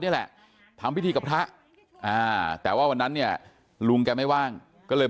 นี่แหละทำพิธีกับพระแต่ว่าวันนั้นเนี่ยลุงแกไม่ว่างก็เลย